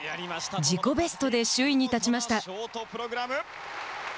自己ベストで首位に立ちました。